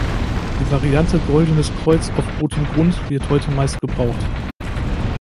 Die Variante goldenes Kreuz auf rotem Grund wird heute meist gebraucht.